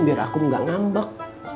biar aku gak ngambek